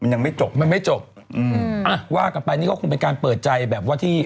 ยังไม่จบมันไม่จบอืมอ่ะว่ากันไปนี่ก็คงเป็นการเปิดใจแบบว่าที่